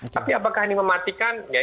tapi apakah ini mematikan